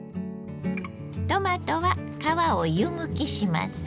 トマトは皮を湯むきします。